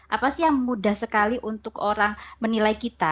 apa sih yang mudah sekali untuk orang menilai kita